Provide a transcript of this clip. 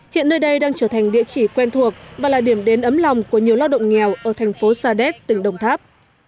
hiện nơi đây đang trở thành địa chỉ quen thuộc và là điểm đến ấm lòng của nhiều lao động nghèo ở thành phố sa đéc tỉnh đồng tháp